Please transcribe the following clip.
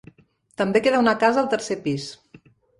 També queda una casa al tercer pis.